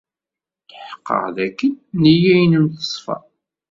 Tḥeqqeɣ dakken nneyya-nnem teṣfa.